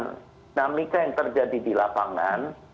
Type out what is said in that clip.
dinamika yang terjadi di lapangan